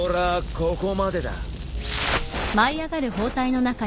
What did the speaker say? ここまでだ。